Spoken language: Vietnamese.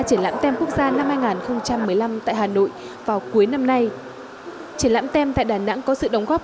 triển lãm tem quốc gia năm hai nghìn một mươi năm tại hà nội vào cuối năm nay triển lãm tem tại đà nẵng có sự đóng góp